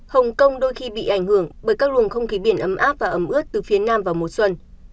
hồng kông đôi khi bị ảnh hưởng bởi các luồng không khí biển ấm áp và ấm ướt từ phía nam vào mùa xuân